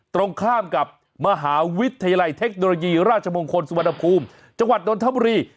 ตรงข้ามกับมหาวิทยาลัยเทคโนโลยีราชมงคลสุวรรณภูมิจังหวัดนทบุรี